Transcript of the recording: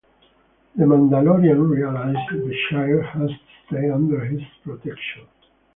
The Mandalorian realizes the Child has to stay under his protection.